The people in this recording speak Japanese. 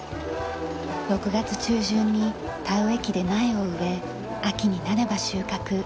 ６月中旬に田植え機で苗を植え秋になれば収穫。